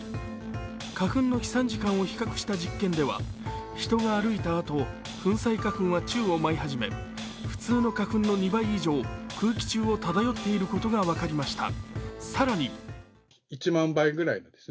花粉の飛散時間を比較した実験では、人が歩いたあと、粉砕花粉は宙を舞い始め普通の花粉の２倍以上、空気中を漂っていることが分かりました。